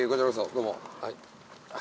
どうも。